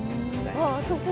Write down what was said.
あっあそこ。